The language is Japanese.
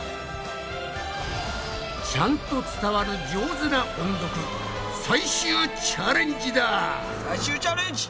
ちゃんと伝わる上手な音読最終チャレンジだ！最終チャレンジ！